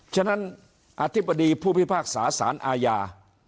ฉะนั้นอธิบดีผู้พิพากษาสารอาญา